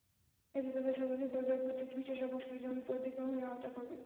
এতে তাঁদের শতাধিক পরিবারের পৈতৃক ভিটাসহ ফসলি জমি অধিগ্রহণের আওতায় পড়বে।